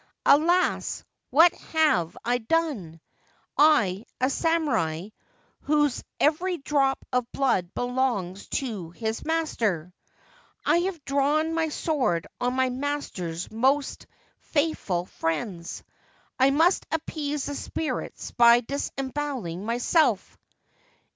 Alas, what have I done — I, a samurai, whose every drop of blood belongs to his master ? I have drawn my sword on my master's most 272 The Spirit of the Lotus Lily faithful friends ! I must appease the spirits by dis embowelling myself.